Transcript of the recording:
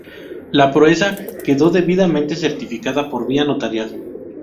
La proeza quedó debidamente certificada por vía notarial.